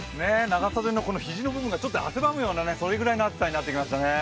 長袖の肘の部分が汗ばむような、それくらいの暑さになってきましたね。